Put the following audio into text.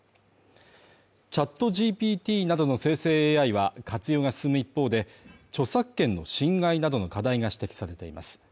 ＣｈａｔＧＰＴなどの生成ＡＩは活用が進む一方で著作権の侵害などの課題が指摘されています。